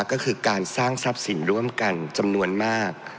ก็คือการสร้างทรัพย์สินร่วมกันจำนวนมาก